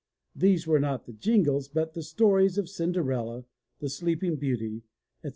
These were not the jingles, but the stories of Cinderella, The Sleeping Beauty, etc.